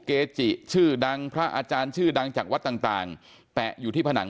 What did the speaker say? เกจิชื่อดังพระอาจารย์ชื่อดังจากวัดต่างแปะอยู่ที่ผนัง